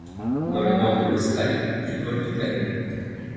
Dans le nord de l'Australie il vole toute l'année.